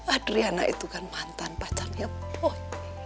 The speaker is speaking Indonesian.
adriana itu kan mantan pacarnya boy